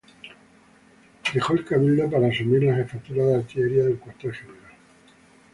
Dejó el Cabildo para asumir la jefatura de Artillería del Cuartel General.